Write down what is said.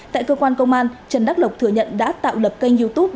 tại cơ quan công an trần đắc lộc thừa nhận đã tạo lập kênh youtube